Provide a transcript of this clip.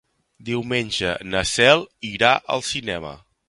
Diumenge na Cel irà al cinema.